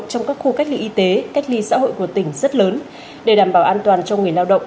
trong các khu cách ly y tế cách ly xã hội của tỉnh rất lớn để đảm bảo an toàn cho người lao động